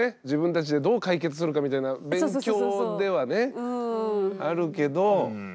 自分たちでどう解決するかみたいな勉強ではねあるけど。